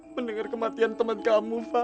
mendengar kematian teman kamu